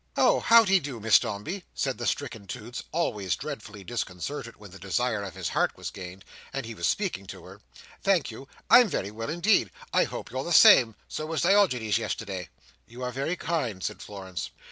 "Oh, how de do, Miss Dombey?" said the stricken Toots, always dreadfully disconcerted when the desire of his heart was gained, and he was speaking to her; "thank you, I'm very well indeed, I hope you're the same, so was Diogenes yesterday." "You are very kind," said Florence.